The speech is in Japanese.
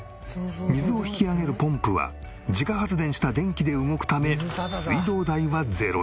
水を引き上げるポンプは自家発電した電気で動くため水道代は０円。